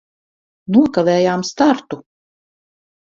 Nokavējām startu!